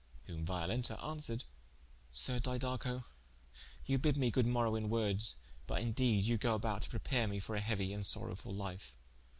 Whom Violenta aunsweared: "Sir Didaco, you bid me good morrow in words, but in deede you go about to prepare for me a heuie and sorowfull life.